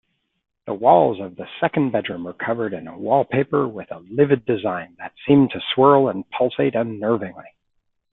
The walls of the second bedroom were covered in a wallpaper with a livid design that seemed to swirl and pulsate unnervingly.